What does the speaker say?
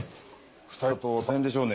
２人だと大変でしょうね。